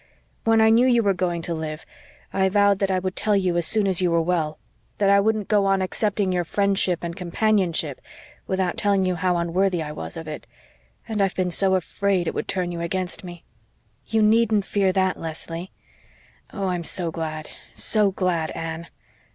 When I knew you were going to live I vowed that I would tell you as soon as you were well that I wouldn't go on accepting your friendship and companionship without telling you how unworthy I was of it. And I've been so afraid it would turn you against me." "You needn't fear that, Leslie." "Oh, I'm so glad so glad, Anne."